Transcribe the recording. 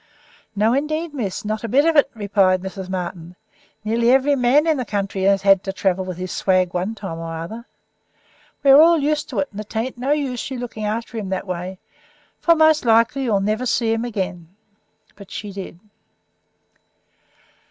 "No, indeed, miss, not a bit of it," replied Mrs. Martin; "nearly every man in the country has had to travel with his swag one time or another. We are all used to it; and it ain't no use of your looking after him that way, for most likely you'll never see him again." But she did.